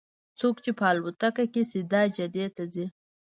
څوک چې په الوتکه کې سیده جدې ته ځي.